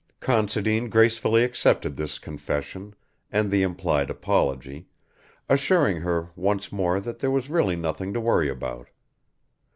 Considine gracefully accepted this confession and the implied apology, assuring her once more that there was really nothing to worry about.